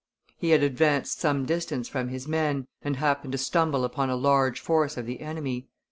He had advanced some distance from his men, and happened to stumble upon a large force of the enemy.